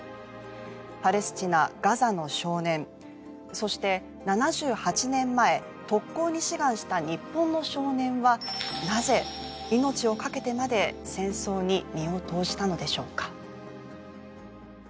パレスチナガザの少年そして７８年前特攻に志願した日本の少年はなぜ命をかけてまで戦争に身を投じたのでしょうか？